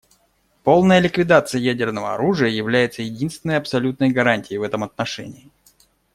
Полная ликвидация ядерного оружия является единственной абсолютной гарантией в этом отношении.